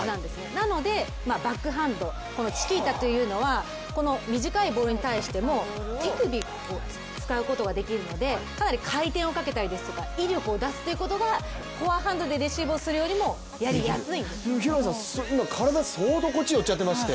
なのでバックハンド、チキータというのは、短いボールに対しても手首を使うことができるのでかなり回転をかけたりですとか威力を出すということがフォアハンドでレシーブを出すよりも体、相当こっちに寄っちゃってまして。